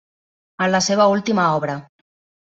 En la seva última obra.